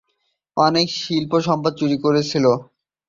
অনেক শিল্প সম্পদ চুরি হয়েছিল।